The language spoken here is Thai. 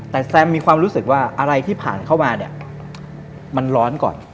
แต่แซมมีความรู้สึกว่าอะไรที่ผ่านเข้ามาเนี่ยมันร้อนก่อน